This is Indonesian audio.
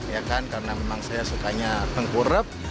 ya kan karena memang saya sukanya tengkurep